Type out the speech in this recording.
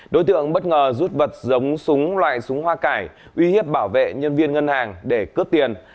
đối tượng bất ngờ rút vật giống súng loại súng hoa cải uy hiếp bảo vệ nhân viên ngân hàng để cướp tiền